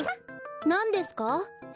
なんですか？